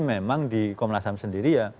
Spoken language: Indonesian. memang di komnas ham sendiri ya